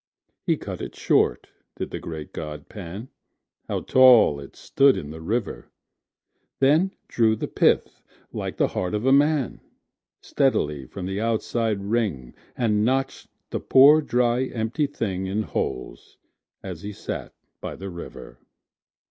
He cut it short, did the great god Pan,(How tall it stood in the river!)Then drew the pith, like the heart of a man, Steadily from the outside ring, And notch'd the poor dry empty thingIn holes, as he sat by the river.